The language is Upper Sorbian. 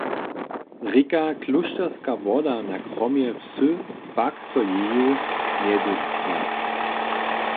Rěka Klóšterska woda na kromje wsy pak so jeju njedótknje.